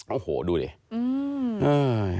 โอ้โหดูดิ